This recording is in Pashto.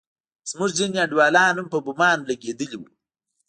زموږ ځينې انډيولان هم په بمانو لگېدلي وو.